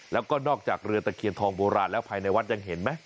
แล้วก็นอกจากเรือตะเคียนทองโบราณแล้วภายในวัดยังเห็นไหม